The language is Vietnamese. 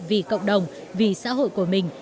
vì cộng đồng vì xã hội của mình